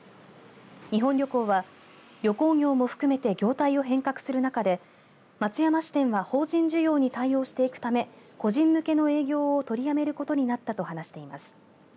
日本旅行は旅行業も含めて業態を変革する中で松山支店は法人需要に対応していくため個人向けの営業を取りやめることになったと話しています。